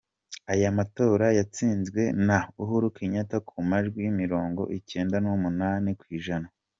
Ayo matora yatsinzwe na Uhuru Kenyatta ku majwi mirongo icyenda n’umunani ku ijana.